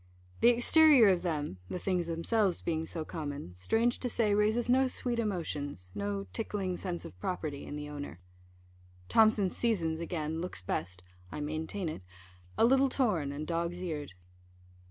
The exterior of them (the things themselves being so common), strange to say, raises no sweet emotions, no tickling sense of property in the owner. Thomson's Seasons, again, looks best (I maintain it) a little torn, and dog's eared.